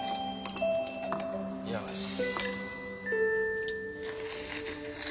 よし。